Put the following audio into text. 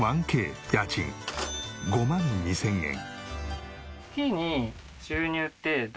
家賃５万２０００円。